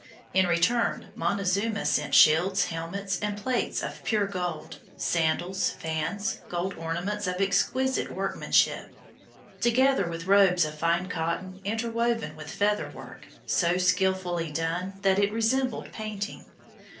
In return, Montezuma sent shields, helmets, and plates of pure gold, sandals, fans, gold ornaments of exquisite workmanship, together with robes of fine cotton interwoven with feather work, so skillfully done that it resembled painting.